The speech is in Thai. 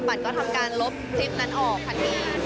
ก็ทำการลบคลิปนั้นออกทันที